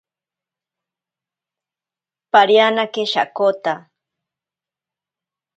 Parianake shakota.